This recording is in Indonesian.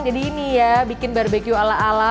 jadi ini ya bikin barbeque ala ala